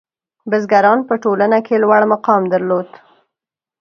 • بزګران په ټولنه کې لوړ مقام درلود.